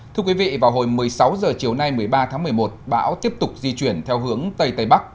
thưa quý vị vào hồi một mươi sáu h chiều nay một mươi ba tháng một mươi một bão tiếp tục di chuyển theo hướng tây tây bắc